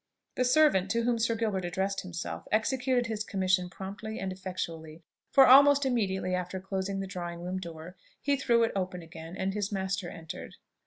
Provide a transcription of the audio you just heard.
The servant to whom Sir Gilbert addressed himself executed his commission promptly and effectually; for almost immediately after closing the drawing room door, he threw it open again, and his master entered.